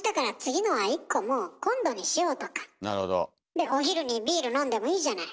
でお昼にビール飲んでもいいじゃない。